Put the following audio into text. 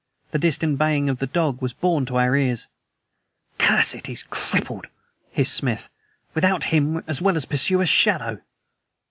The distant baying of the dog was borne to our ears. "Curse it! he's crippled," hissed Smith. "Without him, as well pursue a shadow!"